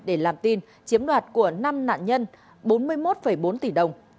để làm tin chiếm đoạt của năm nạn nhân bốn mươi một bốn tỷ đồng